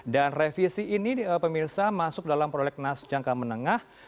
dan revisi ini pemirsa masuk dalam prolegnas jangka menengah